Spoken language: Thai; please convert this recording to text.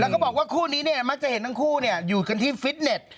แล้วก็บอกว่าคู่นี้เนี่ยมักจะเห็นทั้งคู่อยู่กันที่ฟิตเน็ต